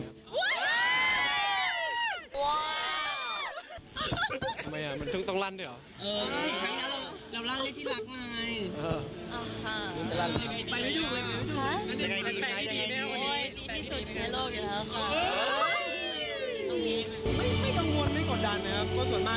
ทำไมอ่ะมันต้องรั้นใช่ไหม